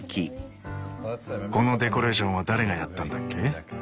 このデコレーションは誰がやったんだっけ？